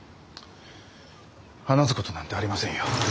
話すことなんてありませんよ。